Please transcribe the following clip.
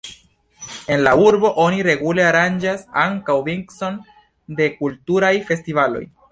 En la urbo oni regule aranĝas ankaŭ vicon de kulturaj festivaloj.